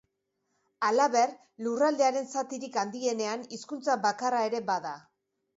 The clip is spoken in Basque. Halaber, lurraldearen zatirik handienean hizkuntza bakarra ere bada.